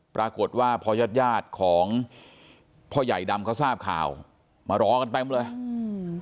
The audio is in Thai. ปรากฏว่าพอญาติญาติของพ่อใหญ่ดำเขาทราบข่าวมารอกันเต็มเลยอืม